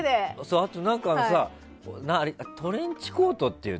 あとトレンチコートっていうの？